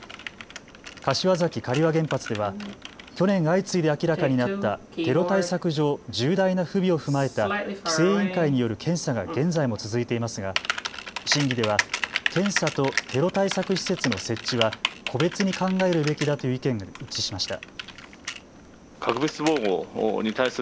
柏崎刈羽原発では去年、相次いで明らかになったテロ対策上、重大な不備を踏まえた規制委員会による検査が現在も続いていますが審議では検査とテロ対策施設の設置は個別に考えるべきだという意見で一致しました。